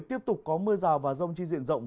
tiếp tục có mưa giàu và rông chi diện rộng